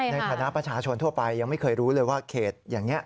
ในฐานะประชาชนทั่วไปยังไม่เคยรู้เลยว่าเขตอย่างนี้